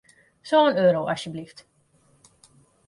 Sân euro, asjeblyft.